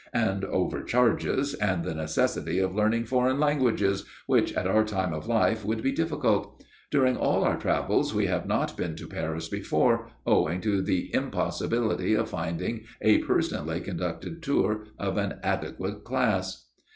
"And over charges, and the necessity of learning foreign languages, which at our time of life would be difficult. During all our travels we have not been to Paris before, owing to the impossibility of finding a personally conducted tour of an adequate class."